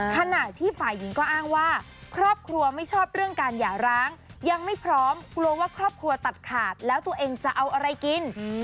ขณะที่ฝ่ายหญิงก็อ้างว่าครอบครัวไม่ชอบเรื่องการหย่าร้างยังไม่พร้อมกลัวว่าครอบครัวตัดขาดแล้วตัวเองจะเอาอะไรกิน